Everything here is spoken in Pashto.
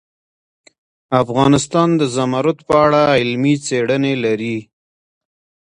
افغانستان د زمرد په اړه علمي څېړنې لري.